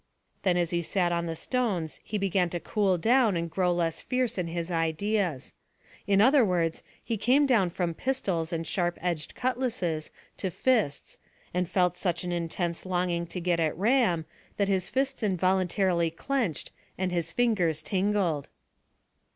Then as he sat on the stones he began to cool down and grow less fierce in his ideas. In other words, he came down from pistols and sharp edged cutlasses to fists, and felt such an intense longing to get at Ram, that his fists involuntarily clenched and his fingers tingled.